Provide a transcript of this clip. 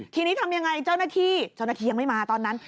ทีนี้ทำยังไงเจ้าหน้าที่เจ้าหน้าที่ยังไม่มาตอนนั้น